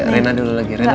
rena dulu lagi rena lagi